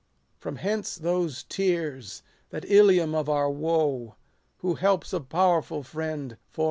From hence those tears ! that Ilium of our woe ! Who helps a powerful friend, forearms a foe.